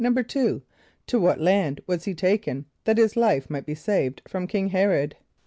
= =2.= To what land was he taken, that his life might be saved from King H[)e]r´od?